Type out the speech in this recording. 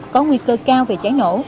có nguy cơ cao về trái nổ